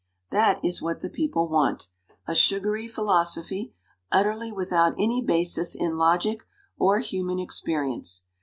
" That is what the people want a sugary philosophy, utterly without any basis in logic or human experience.